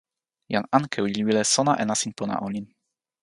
jan Ankewi li wile sona e nasin pona olin.